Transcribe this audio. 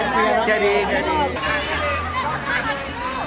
สวัสดีครับ